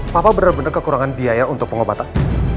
papa benar benar kekurangan biaya untuk pengobatan